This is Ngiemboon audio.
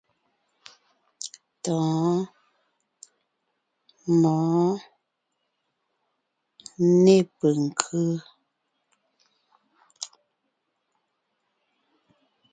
Tɔ̌ɔn, mɔ̌ɔn, nê penkʉ́.